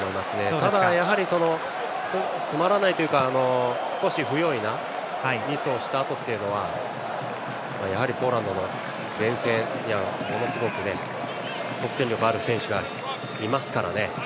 ただ、やはりつまらないというか少し不用意なミスをしたあとはやはりポーランドの前線にはものすごく得点力がある選手がいますからね。